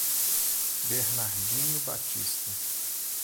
Bernardino Batista